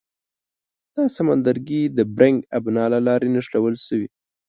دا سمندرګي د بیرنګ ابنا له لارې نښلول شوي.